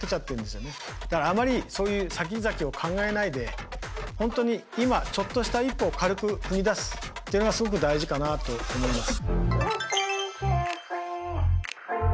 だからあまりそういうさきざきを考えないで本当に今ちょっとした一歩を軽く踏み出すっていうのがすごく大事かなと思います。